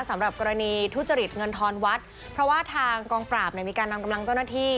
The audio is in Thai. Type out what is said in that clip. สำหรับกรณีทุจริตเงินทอนวัดเพราะว่าทางกองปราบเนี่ยมีการนำกำลังเจ้าหน้าที่